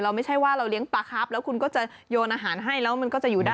ไม่ใช่ว่าเราเลี้ยงปลาครับแล้วคุณก็จะโยนอาหารให้แล้วมันก็จะอยู่ได้